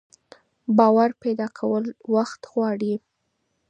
باور پيدا کول وخت غواړي.